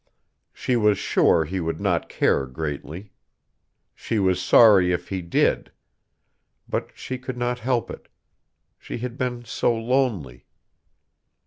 She was sure he would not care greatly. She was sorry if he did. But she could not help it. She had been so lonely.